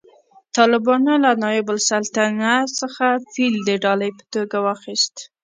طالبانو له نایب السلطنه څخه فیل د ډالۍ په توګه واخیست